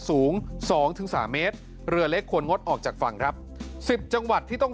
สูง๒๓เมตรเรือเล็กควรงดออกจากฝั่งครับ๑๐จังหวัดที่ต้อง